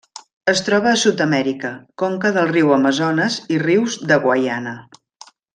Es troba a Sud-amèrica: conca del riu Amazones i rius de Guaiana.